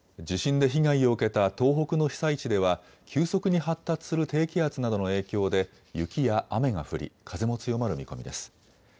地震で被害を受けた東北の被災地では急速に発達する低気圧などの影響で雪や雨が降り風も強まる見込みです。